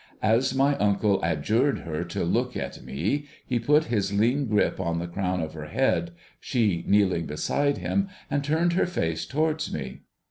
As my uncle adjured her to look at me, he put his lean grip on the crown of her head, she kneeling beside him, and turned her face towards me.